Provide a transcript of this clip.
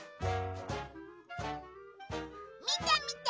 みてみて！